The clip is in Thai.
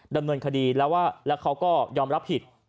ดำเนินคดีแล้วเขาก็ยอมรับผิด